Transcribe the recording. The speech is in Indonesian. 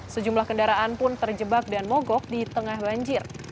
sejumlah kendaraan pun terjebak dan mogok di tengah banjir